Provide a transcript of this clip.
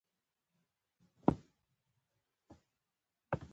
بېډۍ د پسه د پښې يو هډوکی او د لوبو وسيله ده.